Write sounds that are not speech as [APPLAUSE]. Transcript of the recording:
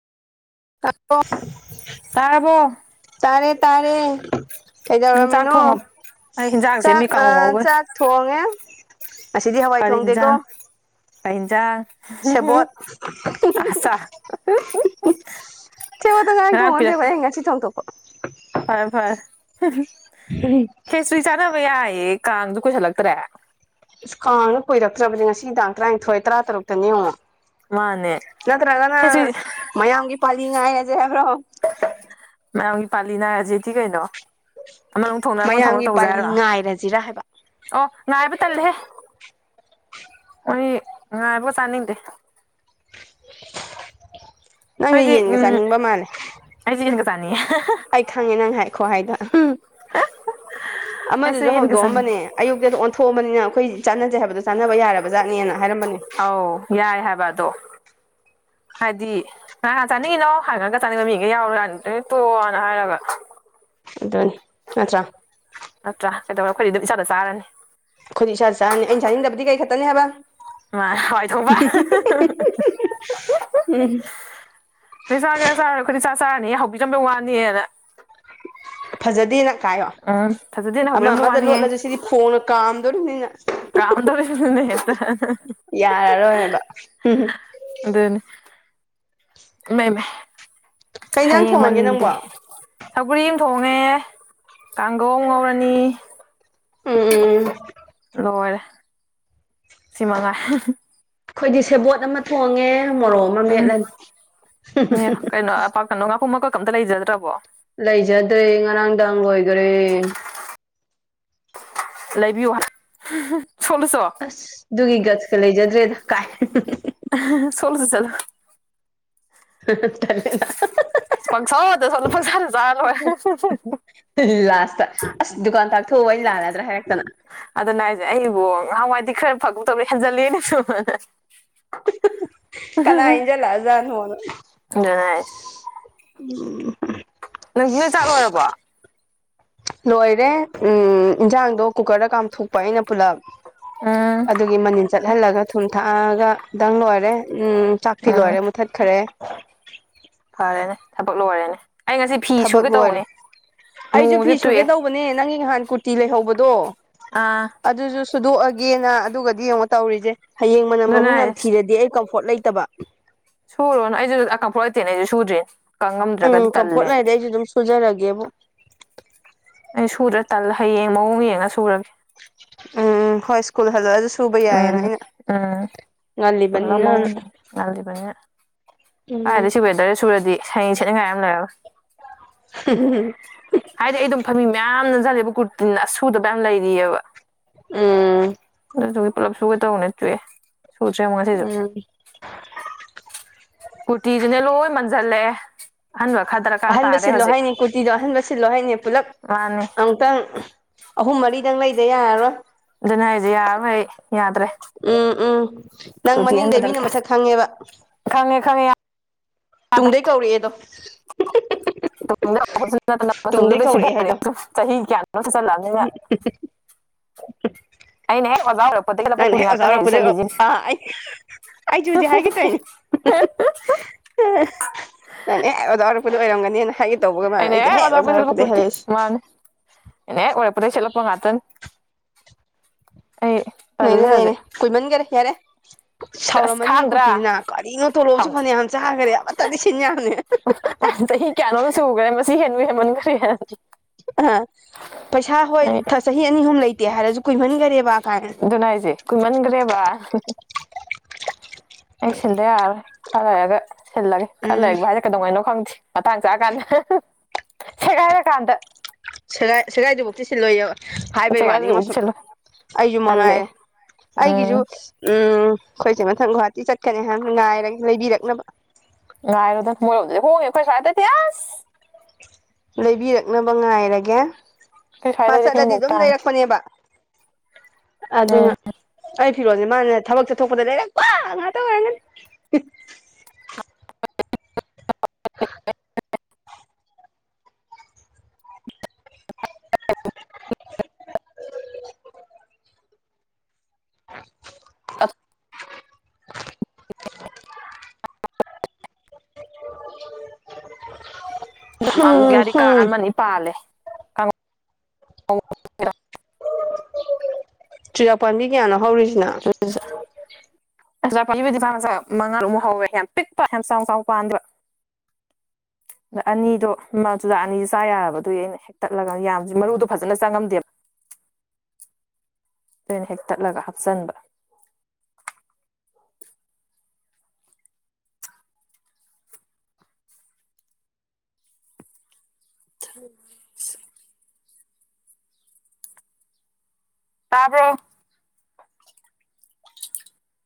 ꯇꯥꯕ꯭ꯔꯣ ꯇꯥꯔꯕꯣ ꯇꯥꯔꯦ ꯇꯥꯔꯦ ꯅꯪ ꯆꯥꯛ ꯀꯩꯗꯧꯔꯝꯃꯤꯅꯣ ꯊꯣꯡꯉ ꯑꯩ ꯍꯤꯟꯖꯥꯡ ꯆꯥꯛ ꯁꯦꯝꯃꯤ ꯀꯥꯡꯉꯧ ꯉꯧꯕꯩ ꯆꯥꯛ ꯊꯣꯡꯉꯦ ꯉꯁꯤꯗꯤ ꯍꯋꯥꯏ ꯀꯔꯤ ꯏꯟꯖꯥꯡ ꯊꯣꯡꯗꯦꯀꯣ ꯀꯔꯤ ꯏꯟꯖꯥꯡ ꯁꯦꯕꯣꯠ [UNINTELLIGIBLE] ꯆꯠꯂꯣꯗ ꯉꯥꯏꯔꯥꯡ ꯊꯣꯡꯕ ꯅꯠꯇꯦ ꯑꯩ ꯉꯁꯤ ꯊꯣꯡꯗꯣꯛꯄ ꯐꯔꯦ ꯐꯔꯦ [UNINTELLIGIBLE] ꯈꯦꯆ꯭ꯔꯤ ꯆꯥꯟꯅꯕ ꯌꯥꯏꯌꯦ ꯀꯥꯡꯁꯨ ꯀꯨꯏꯁꯜꯂꯛꯇ꯭ꯔꯦ ꯀꯥꯡꯁꯨ ꯀꯨꯏꯔꯛꯇ꯭ꯔꯕꯅꯤ ꯉꯁꯤꯒꯤ ꯇꯥꯡ ꯇꯔꯥꯅꯤꯊꯣꯏ ꯇꯔꯥ ꯇꯔꯨꯛꯇꯅꯦ ꯌꯦꯡꯉꯨ ꯃꯥꯅꯦ ꯅꯠꯇ꯭ꯔꯒꯅ ꯈꯦꯆ꯭ꯔꯤ ꯃꯌꯥꯝꯒꯤ ꯄꯥꯜꯂꯤ ꯉꯥꯏꯔꯁꯦ ꯍꯥꯏꯕ꯭ꯔꯣ ꯃꯌꯥꯝꯒꯤ ꯄꯥꯜꯂꯤ ꯅꯥꯢꯔꯥꯖꯦꯗꯤ ꯀꯩꯅꯣ ꯑꯃꯥꯅ ꯑꯃꯨꯛ ꯊꯣꯡ ꯑꯃꯨꯛ ꯊꯣꯡ ꯃꯌꯥꯝꯒꯤ ꯇꯧꯖꯦ ꯍꯥꯏꯔꯣ ꯄꯥꯜꯂꯤ ꯉꯥꯏꯔꯁꯤꯔꯥ ꯍꯥꯏꯕ ꯑꯣ ꯉꯥꯏꯕ ꯇꯜꯂꯦꯍꯦ ꯃꯣꯏ ꯉꯥꯏꯕꯒ ꯆꯥꯅꯤꯡꯗꯦ ꯅꯪꯗꯤ ꯌꯦꯟꯒ ꯎꯝ ꯆꯥꯅꯤꯡꯕ ꯃꯥꯜꯂꯦ ꯑꯩꯗꯤ ꯌꯦꯟꯒ ꯆꯥꯅꯤꯡꯉꯦ ꯑꯩ ꯈꯪꯉꯦ ꯅꯪ ꯍꯥꯏ ꯈꯨꯍꯥꯏꯗꯣ ꯑꯩꯁꯨ ꯑꯃꯗꯨꯁꯨ ꯌꯦꯟꯒ ꯆꯥꯅꯤꯡꯉꯦ ꯍꯧꯗꯣꯛꯑꯝꯕꯅꯦ ꯑꯌꯨꯛꯇ ꯑꯣꯟꯊꯣꯛꯑꯕꯅꯤꯅ ꯑꯩꯈꯣꯏ ꯆꯥꯟꯅꯖꯩ ꯍꯥꯏꯕꯗꯣ ꯆꯥꯟꯅꯕ ꯌꯥꯔꯕ ꯖꯥꯠꯅꯦꯅ ꯍꯥꯏꯔꯝꯕꯅꯦ ꯌꯥꯔꯦ ꯍꯥꯢꯕ ꯑꯗꯣ ꯍꯥꯢꯗꯤ ꯀꯥꯅ ꯀꯥꯅ ꯆꯥꯅꯤꯡꯉꯤꯅꯣ ꯍꯪꯉꯥꯡꯒ ꯆꯥꯅꯤꯡꯕ ꯃꯤꯒ ꯌꯥꯎꯔꯣ ꯌꯥꯎꯅꯤꯡꯗꯥꯕꯩ ꯇꯣꯛꯑꯣ ꯍꯥꯏꯔꯒ ꯑꯗꯨꯅꯤ ꯅꯠꯇ꯭ꯔꯥ ꯅꯠꯇ꯭ꯔꯥ ꯀꯩꯗꯧꯔꯦ ꯑꯩꯈꯣꯏꯗꯤ ꯑꯗꯨꯝ ꯏꯆꯥꯗ ꯆꯥꯔꯅꯤ ꯈꯣꯢꯗꯤ ꯢꯆꯥ ꯆꯥꯔꯅꯤ ꯑꯩꯅ ꯆꯥꯅꯤꯡꯗꯕꯗꯤ ꯀꯩ ꯈꯠꯇꯅꯤ ꯍꯥꯢꯕ ꯃꯥ ꯍꯋꯥꯏ ꯊꯣꯡꯕ [UNINTELLIGIBLE] ꯅꯣꯏ ꯆꯥꯒꯦꯔ ꯆꯥꯔꯣꯏꯔ ꯑꯈꯣꯢꯗꯤ ꯏꯆꯥ ꯆꯥꯔꯥꯅꯤꯅꯦ ꯍꯧꯕꯤꯔꯝꯕꯩ ꯋꯥꯅꯤꯅ ꯐꯖꯗꯦ ꯅꯪ ꯀꯥꯏꯌꯣ ꯎꯝ ꯐꯖꯗꯦꯅ ꯑꯃ ꯍꯧꯕꯤꯔꯝꯕꯩ ꯑꯃꯗ ꯋꯥꯅꯦꯍꯦ ꯂꯣꯠꯂꯁꯨ ꯁꯤꯗꯤ ꯐꯣꯡꯅ ꯀꯥꯝꯗꯧꯔꯤꯕꯅꯤꯅ ꯀꯥꯝꯗꯣꯔꯤꯕꯅꯦ ꯍꯦꯛꯇꯥ ꯌꯥꯔꯔꯣꯏꯕ ꯎꯝ ꯑꯗꯨꯅꯤ [UNINTELLIGIBLE] ꯀꯩ ꯌꯦꯟꯖꯥꯡ ꯍꯌꯦꯡ ꯊꯣꯡꯉꯒꯦ ꯃꯟꯗꯦ ꯅꯪꯕꯣ ꯁꯧꯒꯔꯤ ꯑꯃ ꯊꯣꯡꯉꯦ ꯀꯥꯡꯈꯧ ꯑꯃ ꯉꯧꯔꯅꯤ ꯎꯝ ꯎꯝ ꯂꯣꯏꯔꯦ ꯁꯤꯃꯉꯥꯢ ꯑꯈꯣꯢꯗꯤ ꯁꯦꯕꯣꯠ ꯑꯃ ꯊꯣꯡꯉꯦ ꯃꯣꯔꯣꯛ ꯑꯃ ꯎꯝ ꯃꯦꯠꯂꯅꯤ ꯀꯅꯣ ꯉꯥꯀꯨꯞ ꯃꯀꯛꯀ ꯑꯝꯇ ꯂꯩꯖꯗ꯭ꯔꯕꯣ ꯂꯩꯖꯗ꯭ꯔꯦ ꯉꯔꯥꯡꯗꯥꯡ ꯂꯣꯏꯒ꯭ꯔꯦ ꯂꯩꯕꯤꯌꯨ [INAUDIBLE] ꯁꯣꯠꯂꯨꯆꯣ ꯑꯁ ꯑꯗꯨꯒꯤ ꯒꯠꯁꯀ ꯂꯩꯖꯗ꯭ꯔꯦꯗ ꯀꯥꯏ ꯁꯣꯠꯂꯨꯆꯣ ꯆꯠꯂꯨ [INAUDIBLE] ꯄꯪꯁꯣꯠꯇ ꯁꯣꯠꯂꯨ ꯄꯪꯆꯥꯗ ꯆꯥꯔ ꯂꯣꯏꯔꯦ ꯂꯥꯁꯇ ꯑꯁ ꯗꯨꯀꯥꯟ ꯇꯥꯛꯊꯣꯛꯎꯕ ꯑꯩꯅ ꯂꯥꯜꯂꯗ꯭ꯔꯥ ꯍꯥꯢꯔꯛꯇꯅ ꯑꯗꯨꯅꯦ ꯍꯥꯏꯖꯦ ꯑꯩꯕꯨ ꯉꯍꯥꯟꯋꯥꯏꯗꯤ ꯈꯔ ꯐꯪꯒꯨꯝ ꯇꯧꯕꯅꯦ ꯍꯦꯟꯖꯜꯂꯦꯅꯦ ꯁꯨꯝ ꯑꯅ ꯀꯅꯥ ꯏꯟꯖꯜꯂꯛꯑ ꯖꯥꯠꯅꯣꯅ ꯈꯪꯗꯨꯅ ꯍꯥꯏꯁ ꯎꯝ ꯅꯪ ꯅ ꯆꯥꯛ ꯂꯣꯢꯔꯕꯣ ꯂꯣꯏꯔꯦ ꯎꯝ ꯢꯪꯖꯥꯡꯗꯣ ꯀꯨꯀꯔꯗ ꯀꯥꯝꯊꯣꯛꯄ ꯑꯩꯅ ꯄꯨꯜꯂꯞ ꯎꯝ ꯑꯗꯨꯒꯤ ꯃꯅꯤꯟ ꯆꯠꯍꯜꯂꯒ ꯊꯨꯝ ꯊꯥꯛꯑꯒꯗꯪ ꯂꯣꯏꯔꯦ ꯎꯝ ꯆꯥꯛꯇꯤ ꯎꯝ ꯂꯣꯏꯔꯦ ꯃꯨꯊꯠꯈ꯭ꯔꯦ ꯐꯔꯦꯅꯦ ꯊꯕꯛ ꯂꯣꯏꯔꯦꯅꯦ ꯑꯩ ꯉꯁꯤ ꯐꯤ ꯊꯕꯛ ꯁꯨꯒꯦ ꯂꯣꯏꯔꯦ ꯇꯧꯕꯅꯤ ꯅꯣꯡꯖꯤ ꯇꯣꯛꯑꯦ ꯍꯣꯅꯦ ꯅꯪꯒꯤ ꯉꯍꯥꯟ ꯀꯨꯔꯇꯤ ꯂꯩꯍꯧꯕꯗꯣ ꯑꯥ ꯑꯗꯨꯁꯨ ꯁꯨꯗꯣꯛꯑꯒꯦꯅ ꯑꯗꯨꯒꯗꯤ ꯌꯦꯡꯉꯣ ꯇꯧꯔꯤꯖꯦ ꯍꯌꯦꯡ ꯃꯅꯝ ꯑꯗꯨꯅ ꯃꯃꯛ ꯅꯝ ꯍꯥꯏꯁ ꯊꯤꯔꯗꯤ ꯑꯩ ꯀꯝꯐꯣꯔꯠ ꯂꯩꯇꯕ ꯁꯨꯔꯣꯅꯣ ꯑꯩꯖꯨ ꯀꯝꯐꯣꯠ ꯂꯩꯇꯦꯅ ꯑꯩꯖꯨ ꯁꯨꯗ꯭ꯔꯤꯟ ꯀꯪ ꯉꯝꯗ꯭ꯔꯒꯗꯤ ꯇꯜꯂꯦꯅ ꯗꯦ ꯑꯩꯖꯨ ꯗꯨꯝ ꯁꯨꯖꯔꯒꯦꯕꯨ ꯑꯩ ꯁꯨꯗ꯭ꯔꯦ ꯇꯜꯂꯦ ꯍꯌꯦꯡ ꯃꯑꯣꯡ ꯌꯦꯡꯉ ꯁꯨꯔꯒꯦ ꯎꯝ ꯍꯣꯏ ꯁ꯭ꯀꯨꯜ ꯍꯜꯂꯛꯑꯖꯨ ꯎꯝ ꯎꯝ ꯁ꯭ꯀꯨꯜ ꯍꯂꯛꯑ ꯃꯑꯣꯡ ꯉꯜꯂꯤꯕꯅꯤꯅꯅ ꯌꯦꯡ ꯉꯜꯂꯤꯕꯅꯤꯅ ꯎꯝ ꯀꯥꯏꯗꯩ ꯁꯤ ꯋꯦꯗꯔ ꯁꯨꯔꯗꯤ ꯍꯌꯦꯡ ꯁꯦꯠꯅꯤꯡꯉꯥꯏ ꯑꯝ ꯂꯩꯔꯔꯣꯏ [INAUDIBLE] ꯍꯥꯏꯗꯤ ꯑꯩ ꯑꯗꯨꯝ ꯐꯝꯃꯤ ꯃꯌꯥꯝ ꯅꯝꯖꯟꯂꯤꯕ ꯀꯨꯔꯇꯤꯅ ꯑꯁꯨꯗꯕ ꯃꯌꯥꯝ ꯂꯩꯔꯤꯑꯦꯕ ꯎꯝ ꯑꯗꯨꯗꯨꯒꯤ ꯄꯨꯂꯞ ꯁꯨꯒꯦ ꯇꯧꯕꯅꯦ ꯇꯣꯛꯑꯦ ꯁꯨꯗ꯭ꯔꯦ ꯑꯃꯨꯛ ꯉꯁꯤꯖꯨ ꯎꯝ ꯀꯨꯔꯇꯤꯖꯨꯅꯦ ꯂꯣꯢ ꯃꯟꯖꯜꯂꯛ ꯑꯦ ꯑꯍꯟꯕ ꯈꯗ꯭ꯔꯛ ꯑꯍꯟꯕ ꯁꯤꯜꯂꯣ ꯍꯥꯏꯅꯤ ꯀꯨꯔꯇꯤꯗꯣ ꯑꯍꯟꯕ ꯍꯥꯏꯅꯤ ꯄꯨꯜꯂꯞ ꯃꯥꯅꯤ ꯇꯪ ꯑꯍꯨꯝ ꯃꯔꯤꯗꯪ ꯂꯩꯗ ꯌꯥꯔꯔꯣꯏ ꯑꯗꯨꯅ ꯍꯥꯏꯖꯦ ꯌꯥꯔꯣꯏ ꯑꯩ ꯌꯥꯗ꯭ꯔꯦ ꯎꯝ ꯎꯪ ꯅꯪ ꯀꯨꯔꯇꯤ ꯑꯍꯟꯕ ꯃꯅꯤꯡꯗꯩ ꯃꯤꯅ ꯗꯔꯀꯥꯔ ꯃꯁꯛ ꯈꯪꯉꯦꯕ ꯈꯪꯉꯦ ꯈꯪꯉꯦ ꯌꯥ ꯇꯨꯡꯗꯩ ꯀꯧꯔꯛꯑꯦꯗꯣ ꯇꯨꯡꯗꯩ ꯀꯧꯔꯛꯑꯦ ꯍꯥꯏꯗꯣ [INAUDIBLE] ꯑꯩꯅ ꯍꯦꯛ [INAUDIBLE] ꯅꯪꯅ ꯀꯨꯔꯇꯤ ꯍꯦꯛ ꯑꯣꯖꯥ ꯉꯥꯛꯇꯅꯦ ꯍꯧꯖꯤꯛ ꯑꯣꯏꯔꯛꯄꯗꯩꯩ ꯁꯦꯠꯂꯤꯁꯤꯅꯤ ꯑꯥ ꯑꯩꯖꯨ ꯍꯨꯖꯤꯛ ꯍꯥꯏꯒꯦ ꯇꯧꯏꯅꯤ ꯅꯪꯅ ꯍꯦꯛ ꯑꯣꯖꯥ ꯑꯣꯏꯔꯛꯄꯗꯩ ꯑꯣꯏꯔꯝꯒꯅꯤꯅ ꯍꯥꯏꯒꯦ ꯇꯧꯕꯒ ꯃꯥꯅ ꯑꯩꯅ ꯑꯩꯁꯦ ꯍꯦꯛ ꯑꯣꯖꯥ ꯑꯣꯢꯔꯛꯄꯗꯩ ꯁꯦꯠꯂꯛꯄ ꯑꯣꯏꯔꯛꯄꯗꯩ ꯀꯨ꯭ꯔꯇꯤ ꯍꯥꯏꯔꯛꯏꯁꯦ ꯃꯥꯅꯦ ꯑꯩꯅ ꯍꯦꯛ ꯑꯣꯢꯔꯛꯄꯗꯒꯤꯩ ꯁꯦꯠꯂꯛꯄ ꯉꯥꯛꯇꯅꯤ꯫ ꯑꯩ ꯂꯩꯌꯨ ꯇꯜꯂꯦ ꯂꯩꯌꯨ ꯍꯧꯖꯤꯛ ꯀꯨꯏ ꯃꯟꯒꯦꯔꯦ ꯌꯥꯔꯦ ꯑꯁ ꯁꯥꯎꯔꯝꯃꯅꯤ ꯈꯥꯡꯗ꯭ꯔꯥ ꯀꯨ꯭ꯔꯇꯤꯗꯨꯅ ꯀꯔꯤꯅꯣ ꯇꯣꯂꯣꯑꯁꯨ ꯐꯥꯅ ꯌꯥꯝ ꯆꯥꯈꯔꯦ ꯑꯃꯠꯇꯗꯤ ꯁꯤꯟ ꯌꯥꯝꯕꯅꯦ꯫ ꯆꯍꯤ ꯀꯌꯥꯅꯣꯝ ꯁꯨꯈ꯭ꯔꯦ ꯃꯁꯤ ꯍꯦꯟꯁꯨ ꯍꯦꯟꯃꯟꯈ꯭ꯔꯦꯅ ꯑ ꯄꯩꯁꯥ ꯍꯣꯏ ꯑꯩ ꯆꯍꯤ ꯑꯅꯤ ꯑꯍꯨꯝ ꯂꯩꯇꯦ ꯍꯥꯏꯔꯁꯨ ꯀꯨꯏꯃꯟꯈꯔꯦꯕ ꯀꯥꯏꯅ ꯑꯗꯨꯅꯦ ꯍꯥꯏꯖꯦ ꯀꯨꯃꯟꯈ꯭ꯔꯦꯕ ꯑꯩ ꯁꯤꯟꯗ ꯌꯥꯔꯔꯣꯏ ꯈꯔ ꯂꯩꯔꯒ ꯁꯤꯜꯂꯒꯦ ꯈꯔ ꯎꯝ ꯂꯩꯕ ꯍꯥꯢꯖꯦ ꯀꯩꯗꯧꯉꯥꯏꯅꯣ ꯈꯪꯗꯦ ꯃꯇꯥꯡ ꯆꯥꯛꯑꯀꯥꯟꯗ ꯁꯦꯒꯥꯏꯔ ꯀꯥꯟꯗ ꯁꯦꯒꯥꯏ ꯁꯦꯒꯥꯏꯗ꯭ꯔꯤ ꯄꯥꯎꯗꯤ ꯁꯤꯜꯂꯣ ꯍꯥꯏꯕꯩ ꯋꯥꯅꯤꯉꯣ ꯁꯦꯒꯥꯏꯗ꯭ꯔꯤꯕꯨꯗꯤ ꯁꯨꯝ ꯁꯤꯜꯂꯣꯏ ꯑꯩꯁꯨ ꯇꯜꯂꯦ ꯃꯉꯥꯏ ꯑꯩꯒꯤꯁꯨ ꯎꯝ ꯎꯝ ꯑꯩꯈꯣꯏ ꯆꯦ ꯃꯊꯪ ꯒꯨꯍꯥꯇꯤ ꯆꯠꯀꯅꯤꯍꯥꯟ ꯉꯥꯏꯔꯒ ꯂꯩꯕꯤꯔꯛꯅꯕ ꯉꯥꯏꯔꯣꯗꯪ ꯃꯣꯏꯔꯣꯝꯗꯗꯤ ꯍꯣꯡꯉꯤꯅꯦ ꯑꯩꯈꯣꯏ ꯁꯋꯥ꯭ꯏꯗꯗꯤ ꯑꯁ ꯂꯩꯕꯤꯔꯛꯅꯕ ꯉꯥꯢꯔꯒꯦ ꯑꯩꯈꯣꯏ ꯃꯥ ꯁ꯭ꯋꯥꯏꯗꯗꯤ ꯆꯠꯂꯗꯤ ꯑꯍꯤꯡꯃꯨꯛ ꯑꯗꯨꯝ ꯇꯥꯡꯉꯦ ꯂꯩꯔꯛꯄꯅꯦꯕ ꯑꯗꯨꯅ ꯑꯩ ꯐꯤꯔꯣꯜꯁꯦ ꯃꯥꯅ ꯊꯕꯛ ꯆꯠꯊꯣꯛꯄꯗ ꯂꯩꯔꯛꯄ ꯉꯥꯛꯇ ꯑꯣꯏꯔꯝꯒꯅꯤ [INAUDIBLE] [INAUDIBLE] [UNINTELLIGIBLE] [INAUDIBLE] ꯍꯨꯝ [UNINTELLIGIBLE] ꯍꯨꯝ ꯑꯃ ꯅꯤ ꯄꯥꯜꯂꯦ ꯆꯨꯖꯥꯛ ꯄꯥꯝꯕꯤ ꯀꯌꯥꯅꯣ ꯍꯧꯔꯤꯁꯤꯅ꯫ [UNINTELLIGIBLE] [UNINTELLIGIBLE] ꯌꯥꯝ ꯄꯤꯛꯄ ꯌꯥꯝ ꯍꯆꯥꯎ ꯆꯥꯎ ꯄꯥꯟꯗꯕ [INAUDIBLE] ꯑꯗ ꯑꯅꯤꯗꯣ ꯆꯨꯖꯥꯛ ꯑꯅꯤꯁꯦ ꯆꯥ ꯌꯥꯔꯕꯗꯨꯒꯤ ꯑꯩꯅ ꯍꯦꯛ ꯇꯠꯂꯒ ꯌꯥꯝ ꯃꯔꯨꯗꯣ ꯐꯖꯅ ꯆꯪꯉꯝꯗꯦꯕ ꯍꯦꯛ ꯇꯠꯂꯒ ꯍꯥꯞꯆꯤꯟꯕ [UNINTELLIGIBLE] ꯇꯥꯕ꯭ꯔꯣ